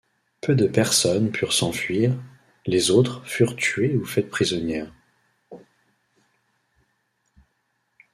Peu de personnes purent s'enfuir, les autres furent tuées ou faites prisonnières.